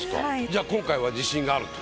じゃあ今回は自信があると？